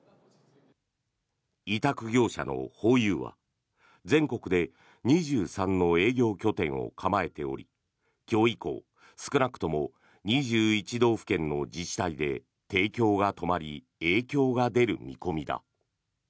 委託業者のホーユーは全国で２３の営業拠点を構えており今日以降少なくとも２１道府県の自治体で提供が止まり影響が出る見込みだ。